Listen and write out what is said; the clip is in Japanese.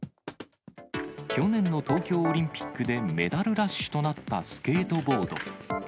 去年の東京オリンピックでメダルラッシュとなったスケートボード。